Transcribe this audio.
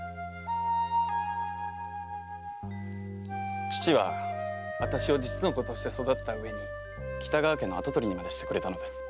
義父は私を実の子として育てたうえに北川家の跡取りにまでしてくれたのです。